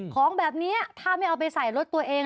ของแบบนี้ถ้าไม่เอาไปใส่รถตัวเอง